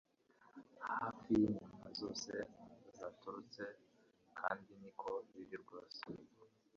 Hafi yinyama zose zaturutse kandi niko biri rwose